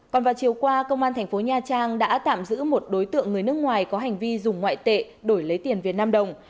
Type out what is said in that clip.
còn vào chiều qua công an thành phố nha trang đã tạm giữ một đối tượng người nước ngoài có hành vi dùng ngoại tệ đổi lấy tiền việt nam đồng